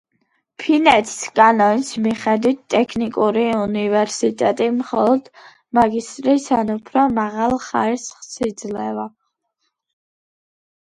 ფინეთის კანონის მიხედვით ტექნიკური უნივერსიტეტი მხოლოდ მაგისტრის ან უფრო მაღალ ხარისხს იძლევა.